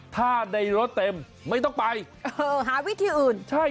ถ้าในรถเต็มไม่ต้องไปเออหาวิธีอื่นใช่